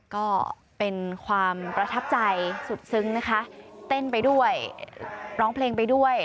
ก็เป็นความประทับใจสุดซึ้งนะคะเต้นไปด้วยร้องเพลงไปด้วย